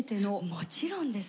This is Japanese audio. もちろんです。